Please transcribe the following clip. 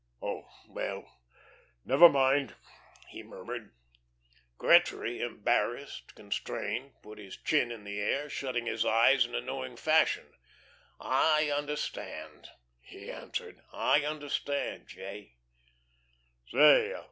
"... Oh, well, never mind," he murmured. Gretry, embarrassed, constrained, put his chin in the air, shutting his eyes in a knowing fashion. "I understand," he answered. "I understand, J."